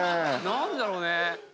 何でだろうね。